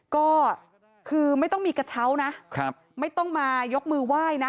ก็คือไม่ต้องมีกระเช้านะไม่ต้องมายกมือไหว้นะ